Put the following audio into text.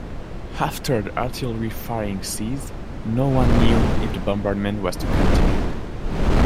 After the artillery firing ceased, no one knew if the bombardment was to continue.